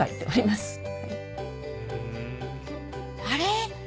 あれ？